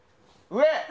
上！